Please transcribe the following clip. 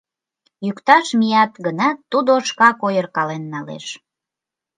Йӱкташ мият гынат, тудо шкак ойыркален налеш.